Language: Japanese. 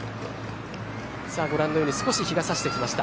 ご覧のように少し日が差してきました。